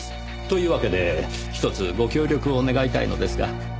というわけでひとつご協力を願いたいのですが。